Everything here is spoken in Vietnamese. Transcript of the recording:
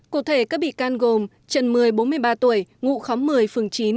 cụ thể các bị can gồm trần mười bốn mươi ba tuổi ngụ khóng một mươi phường chín